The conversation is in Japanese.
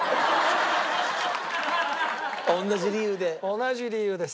同じ理由で？